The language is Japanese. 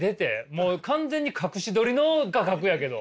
もう完全に隠し撮りの画角やけど。